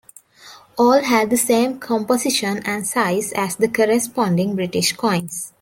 All had the same composition and size as the corresponding British coins.